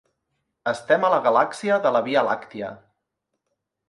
Estem a la Galàxia de la Via Làctia.